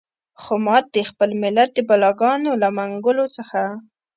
خو ما د خپل ملت د بلاګانو له منګولو څخه.